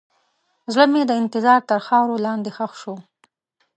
زړه مې د انتظار تر خاورو لاندې ښخ شو.